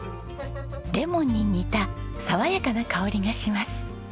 レモンに似た爽やかな香りがします。